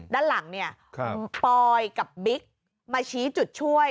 ด้านหลังเนี่ยปอยกับบิ๊กมาชี้จุดช่วย